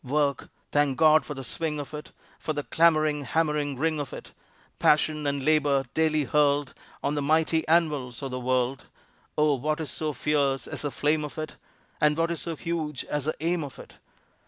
Work! Thank God for the swing of it, For the clamoring, hammering ring of it, Passion and labor daily hurled On the mighty anvils of the world. Oh, what is so fierce as the flame of it? And what is so huge as the aim of it?